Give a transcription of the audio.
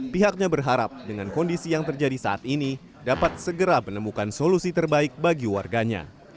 pihaknya berharap dengan kondisi yang terjadi saat ini dapat segera menemukan solusi terbaik bagi warganya